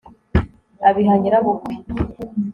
abiha nyirabukwe